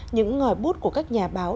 những ngòi bút của các nhà báo